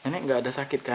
nek gak ada sakit kan